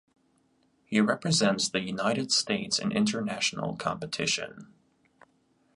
He represents the United States in international competition.